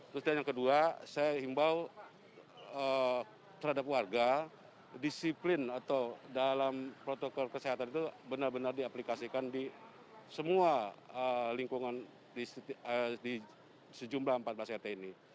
terus yang kedua saya himbau terhadap warga disiplin atau dalam protokol kesehatan itu benar benar diaplikasikan di semua lingkungan di sejumlah empat belas rt ini